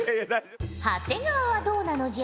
長谷川はどうなのじゃ？